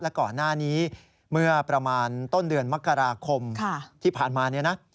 และก่อนหน้านี้เมื่อประมาณต้นเดือนมกราคมที่ผ่านมาเนี่ยนะ